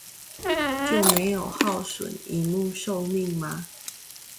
就沒有耗損螢幕壽命嗎